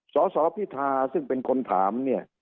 สสพิธาริมเจริญรัฐซึ่งเป็นคนถาม